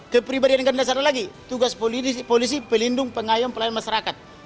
kepribadian ganda saya ada lagi tugas polisi pelindung pengayam pelayan masyarakat